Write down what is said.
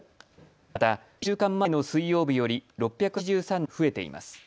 また１週間前の水曜日より６８３人増えています。